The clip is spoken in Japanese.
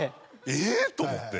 えぇ⁉と思って。